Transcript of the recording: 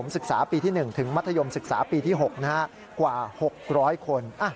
ศึกษาปีที่๖กว่า๖๐๐คน